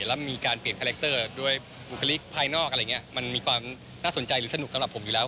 แล้วมีการเปลี่ยนคาแรคเตอร์ด้วยบุคลิกภายนอกอะไรอย่างนี้มันมีความน่าสนใจหรือสนุกสำหรับผมอยู่แล้ว